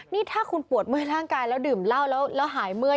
นี่ถ้าคุณปวดเมื่อยร่างกายแล้วดื่มเหล้าแล้วหายเมื่อย